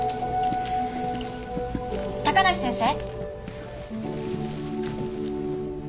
高梨先生。